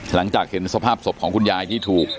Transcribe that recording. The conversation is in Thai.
หลังจากเห็นสภาพศพของคุณยายที่ถูก